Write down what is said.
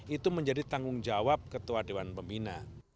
itu menjadi tanggung jawab ketua dewan pembina